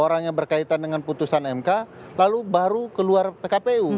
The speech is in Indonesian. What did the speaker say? orang yang berkaitan dengan putusan mk lalu baru keluar pkpu